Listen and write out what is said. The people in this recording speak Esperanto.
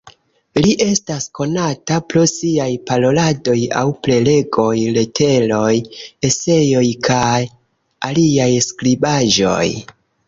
Li estas konata pro siaj Paroladoj aŭ Prelegoj, leteroj, eseoj kaj aliaj skribaĵoj.